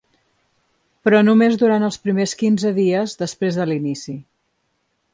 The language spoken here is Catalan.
Però només durant els primers quinze dies després de l'inici.